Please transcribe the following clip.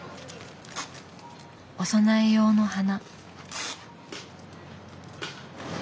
お供え用の花。